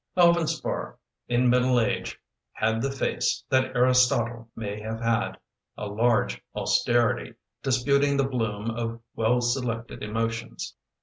Alvin Spar in middle age Had the face that Aristotle May have had — a large austerity Disputing the bloom of well selected emotions.